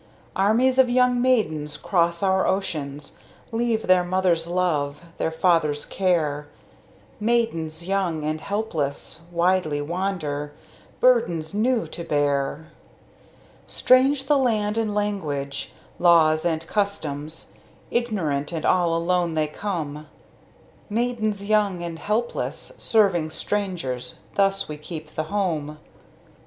Armies of young maidens cross our oceans; Leave their mother's love, their father's care; Maidens, young and helpless, widely wander, Burdens new to bear. Strange the land and language, laws and customs; Ignorant and all alone they come; Maidens young and helpless, serving strangers, Thus we keep the Home.